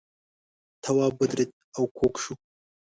تواب ودرېد او کوږ شو.